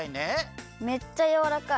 めっちゃやわらかい。